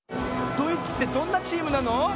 ドイツってどんなチームなの？